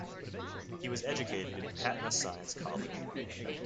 He was educated in Patna Science College.